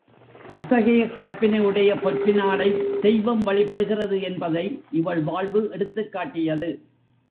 அத்தகைய கற்பினை உடைய பொற் பினாளைத் தெய்வம் வழிபடுகிறது என்பதை இவள் வாழ்வு எடுத்துக் காட்டியது.